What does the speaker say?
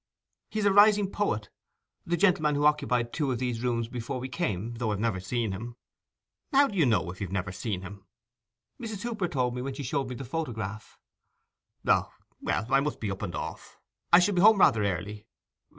'He is a rising poet—the gentleman who occupied two of these rooms before we came, though I've never seen him.' 'How do you know, if you've never seen him?' 'Mrs. Hooper told me when she showed me the photograph.' 'O; well, I must up and be off. I shall be home rather early.